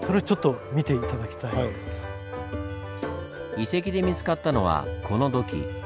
遺跡で見つかったのはこの土器。